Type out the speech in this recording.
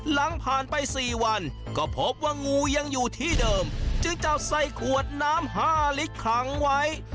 หลังผ่านไป๔วันก็พบว่างูยังอยู่ที่เดิมจึงจับใส่ขวดน้ำ๕ลิตรขังไว้